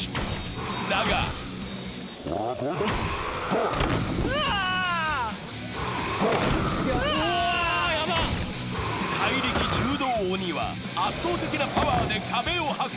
だが怪力柔道鬼は圧倒的な力で壁を破壊。